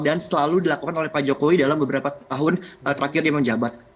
dan selalu dilakukan oleh pak jokowi dalam beberapa tahun terakhir dia menjabat